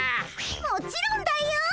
もちろんだよ！